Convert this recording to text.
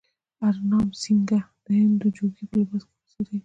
هرنام سینګه د هندو جوګي په لباس کې ګرځېدی.